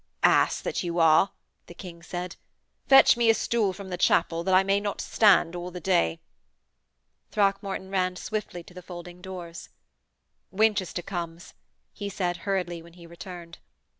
'Ass that you are,' the King said, 'fetch me a stool from the chapel, that I may not stand all the day.' Throckmorton ran swiftly to the folding doors. ' Winchester comes,' he said hurriedly, when he returned.